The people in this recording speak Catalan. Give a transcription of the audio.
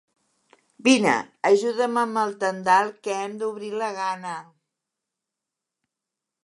Vine, ajuda'm amb el tendal, que hem d'obrir la gana.